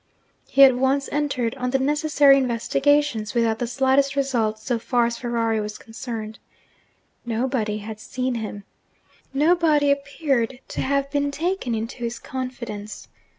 He at once entered on the necessary investigations without the slightest result so far as Ferrari was concerned. Nobody had seen him. Nobody appeared to have been taken into his confidence.